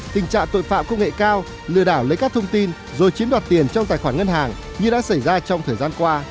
tình trạng tội phạm công nghệ cao lừa đảo lấy các thông tin rồi chiếm đoạt tiền trong tài khoản ngân hàng như đã xảy ra trong thời gian qua